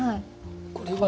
これは。